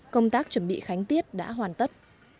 công tác chuẩn bị khánh tiết đã hoàn tất